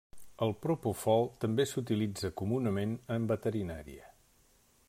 El propofol també s'utilitza comunament en veterinària.